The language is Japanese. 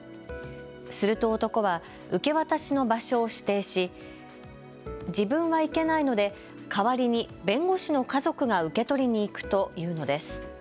すると男は受け渡しの場所を指定し、自分は行けないので代わりに弁護士の家族が受け取りに行くと言うのです。